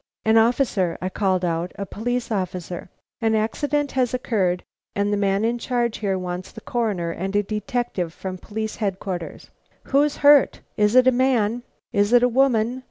"An officer!" I called out, "a police officer! An accident has occurred and the man in charge here wants the Coroner and a detective from Police Headquarters." "Who's hurt?" "Is it a man?" "Is it a woman?"